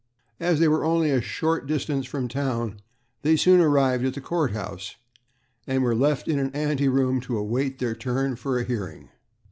As they were only a short distance from town, they soon arrived at the court house, and were left in an ante room to await their turn for a hearing.